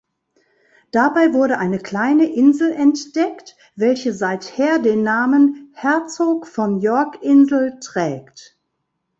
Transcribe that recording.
Dabei wurde eine kleine Insel entdeckt, welche seither den Namen Herzog-von-York-Insel trägt.